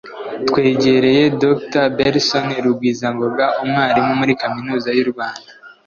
twegereye Dr. Belson Rugwizangoga, umwarimu muri Kaminuza y'u Rwanda